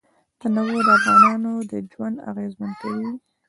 تنوع د افغانانو ژوند اغېزمن کوي.